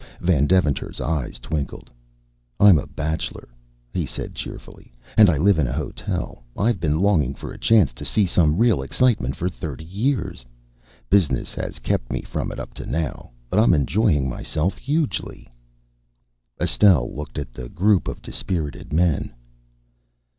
Van Deventer's eyes twinkled. "I'm a bachelor," he said cheerfully, "and I live in a hotel. I've been longing for a chance to see some real excitement for thirty years. Business has kept me from it up to now, but I'm enjoying myself hugely." Estelle looked at the group of dispirited men.